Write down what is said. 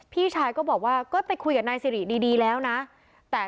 พี่ชายก็บอกว่าก็ไปคุยกับนายสิริดีดีแล้วนะแต่